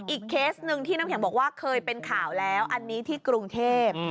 เคสหนึ่งที่น้ำแข็งบอกว่าเคยเป็นข่าวแล้วอันนี้ที่กรุงเทพ